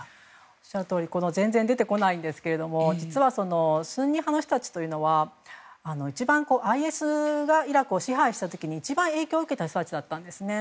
おっしゃるとおり全然出てこないんですけども実はスンニ派の人たちは一番ＩＳがイラクを支配した時に一番、影響を受けた人たちだったんですね。